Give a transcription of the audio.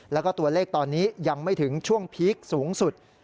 แล้วก็ตัวเลขตอนนี้ยังไม่ถึงช่วงพีคสูงสุด